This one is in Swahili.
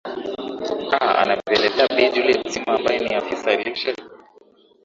a anavyoelezea bi juliet sima ambaye ni afisa lishe